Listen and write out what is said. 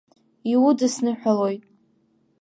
Иудсныҳәалоит!